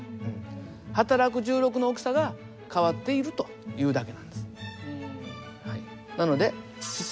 はたらく重力の大きさが変わっているというだけなんです。